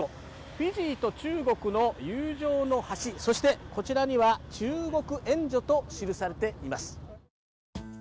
フィジーと中国の友情の橋、そしてこちらには、中国援助と記されています。